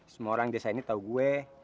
semua orang desa ini tahu gue